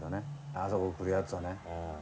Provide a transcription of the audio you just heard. あそこ来るやつはね。